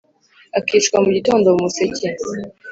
akicwa mugitondo! mu museke